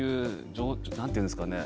何て言うんですかね